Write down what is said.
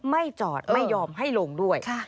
ไม่จอดไม่ยอมให้ลงด้วย